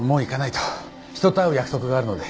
人と会う約束があるので。